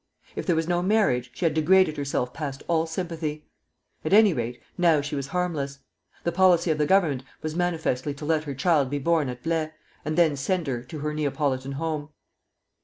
If there was no marriage, she had degraded herself past all sympathy. At any rate, now she was harmless. The policy of the Government was manifestly to let her child be born at Blaye, and then send her to her Neapolitan home.